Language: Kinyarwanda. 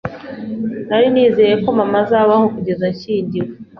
Nari nizeye ko mama azabaho kugeza nshyingiwe.